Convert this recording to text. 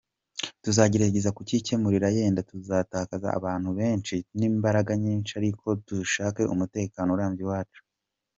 Tuzagerageza kukikemurira, yenda tuzatakaza abantu benshi n’imbaraga nyinshi ariko dushake umutekano urambye iwacu.